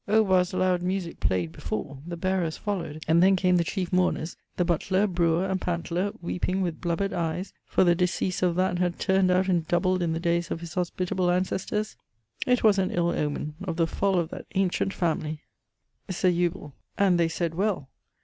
Hautboies loud musique playd before; the bearers followed; and then came the chiefe mourners, the butler, brewer, and pantler, weeping with blubbered eies for the decease of that had turnd out and doubled in the dayes of his hospitable ancestors: 'it was an ill omen of the fall of that ancient family.' Sir Eubule. And they sayd well.